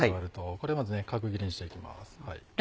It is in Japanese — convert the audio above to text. これをまず角切りにしていきます。